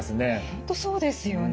本当そうですよね。